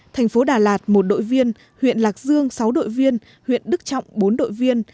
thành phố đà lạt một đội viên huyện lạc dương sáu đội viên huyện đức trọng bốn đội viên